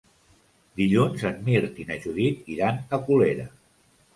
Dilluns en Mirt i na Judit iran a Colera.